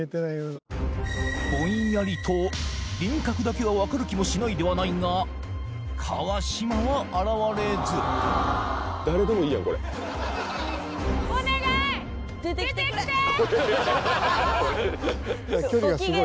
ぼんやりと輪郭だけは分かる気もしないではないが川島現れず出てきてくれご機嫌